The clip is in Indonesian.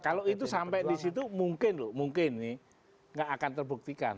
kalau itu sampai di situ mungkin loh mungkin ini nggak akan terbuktikan